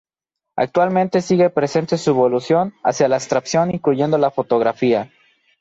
Actualmente, sigue presente su evolución hacia la abstracción incluyendo la fotografía.